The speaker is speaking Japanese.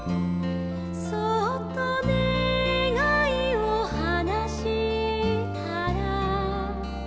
「そっとねがいをはなしたら」